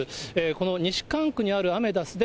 この西蒲区にあるアメダスで、